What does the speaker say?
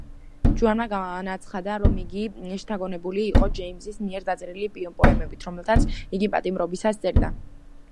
ჯოანმა განაცხადა, რომ იგი შთაგონებული იყო ჯეიმზის მიერ დაწერილი პოემებით, რომელთაც იგი პატიმრობისას წერდა.